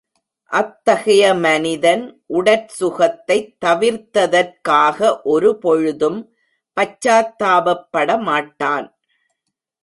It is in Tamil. அத்தகைய மனிதன் உடற் சுகத்தைத் தவிர்த்ததற்காக ஒரு பொழுதும் பச்சாத்தாபப்படமாட்டான்.